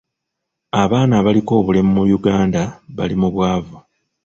Abaana abaliko obulemu mu Uganda bali mu bwavu.